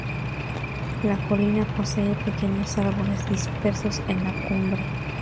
La colina posee pequeños árboles dispersos en la cumbre.